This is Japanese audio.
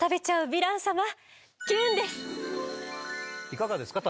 いかがですか？